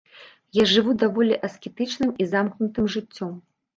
Я жыву даволі аскетычным і замкнутым жыццём.